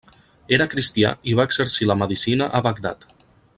Era cristià i va exercir la medicina a Bagdad.